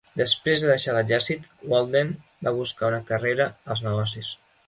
Després de deixar l'exèrcit, Walden va buscar una carrera als negocis.